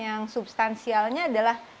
yang substansialnya adalah